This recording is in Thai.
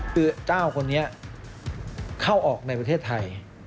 คือเจ้าคนนี้เข้าออกในประเทศไทย